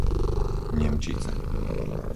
Nemčice